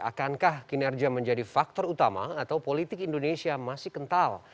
akankah kinerja menjadi faktor utama atau politik indonesia masih kental